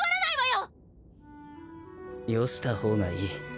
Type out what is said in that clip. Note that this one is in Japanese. よした方がいい。